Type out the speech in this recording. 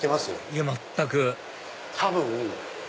いや全く多分。